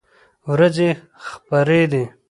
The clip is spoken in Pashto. ورېځې خپری دي